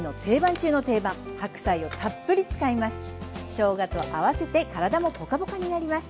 しょうがと合わせて体もポカポカになります。